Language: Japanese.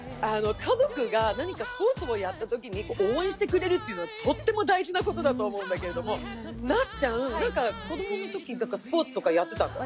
家族が何かスポーツをやったときに応援してくれるというのはとっても大事なことだと思うんだけれども、なっちゃん、子供のときスポーツとかやってた？